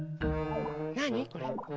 なにこれ？